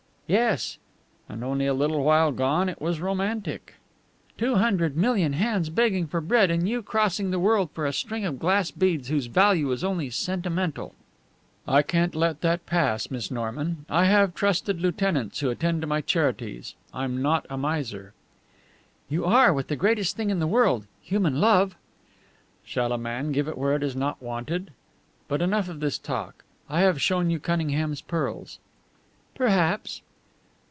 "Yes." "And only a little while gone it was romantic!" "Two hundred million hands begging for bread, and you crossing the world for a string of glass beads whose value is only sentimental!" "I can't let that pass, Miss Norman. I have trusted lieutenants who attend to my charities. I'm not a miser." "You are, with the greatest thing in the world human love." "Shall a man give it where it is not wanted? But enough of this talk. I have shown you Cunningham's pearls." "Perhaps."